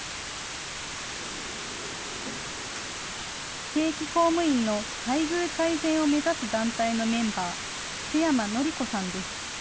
非正規公務員の待遇改善を目指す団体のメンバー、瀬山紀子さんです。